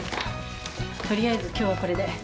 取りあえず今日はこれで。